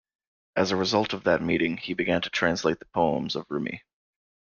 As a result of that meeting, he began to translate the poems of Rumi.